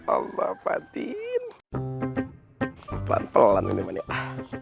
olha fatin pelan pelan mentalnya